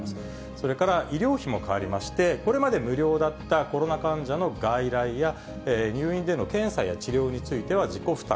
それから、医療費も変わりまして、これまで無料だったコロナ患者の外来や、入院での検査や治療については自己負担。